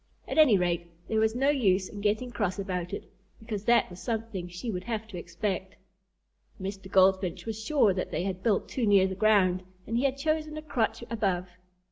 At any rate, there was no use in getting cross about it, because that was something she would have to expect. Mr. Goldfinch was sure that they had built too near the ground, and he had chosen a crotch above.